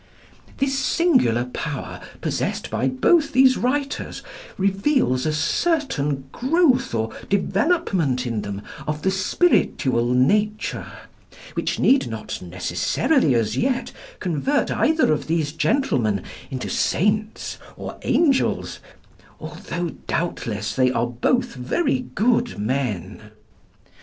This singular power possessed by both these writers reveals a certain growth or development in them of the spiritual nature, which need not necessarily, as yet, convert either of these gentlemen into saints, or angels, although doubtless they are both very good Men.